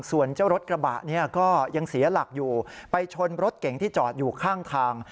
ส่วนเจ้ารถกระบะเนี่ยก็ยังเสียหลักอยู่ไปชนรถเก่งที่จอดอยู่ข้างทาง